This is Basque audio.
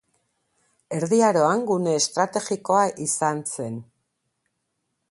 Erdi Aroan gune estrategikoa izan zen.